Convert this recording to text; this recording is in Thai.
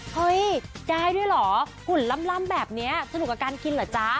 เฮ้ยได้ด้วยเหรอฝุ่นล่ำแบบนี้สนุกกับการกินเหรอจ๊ะ